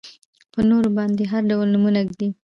په نورو باندې هر ډول نومونه ږدي.